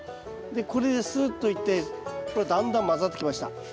でこれですっといってほらだんだん混ざってきました。